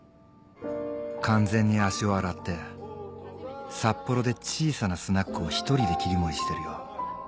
完全に足を洗って札幌で小さなスナックを１人で切り盛りしてるよ。